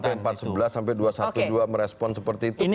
kenapa orang sampai empat sebelas sampai dua satu dua merespon seperti itu